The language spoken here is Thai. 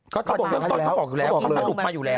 ก็ตอนนี้เขาบอกอยู่แล้ว